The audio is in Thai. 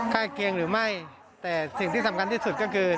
ใกล้เคียงหรือไม่แต่สิ่งที่สำคัญที่สุดก็คือ